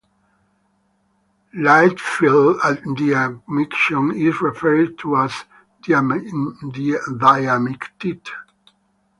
Lithified diamicton is referred to as diamictite.